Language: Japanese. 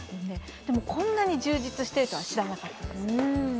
でもこんなに充実してるとは知らなかったです。